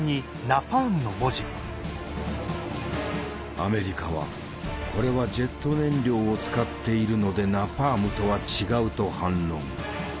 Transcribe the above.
アメリカは「これはジェット燃料を使っているのでナパームとは違う」と反論。